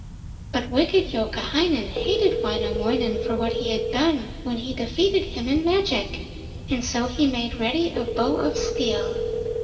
But wicked Youkahainen hated Wainamoinen for what he had done when he defeated him in magic, and so he made ready a bow of steel.